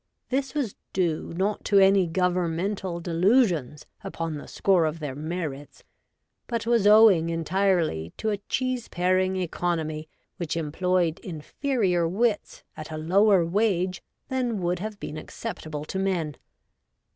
This was due not to any Governmental delusions upon the score of their merits, but was owing entirely to a cheese paring economy which employed inferior wits at a lower wage than would have been acceptable to men.